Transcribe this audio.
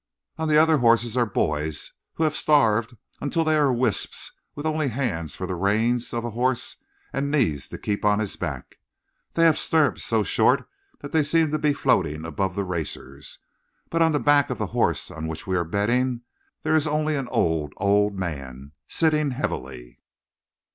"On the other horses are boys who have starved until they are wisps with only hands for the reins of a horse and knees to keep on his back. They have stirrups so short that they seem to be floating above the racers. But on the back of the horse on which we are betting there is only an old, old man, sitting heavily."